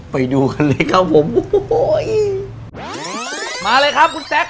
ไปดูกันเลยครับผมโอ้โหมาเลยครับคุณแจ๊ค